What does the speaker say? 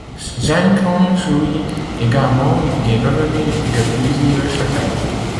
Gindron jouit également des revenus de plusieurs chapelles.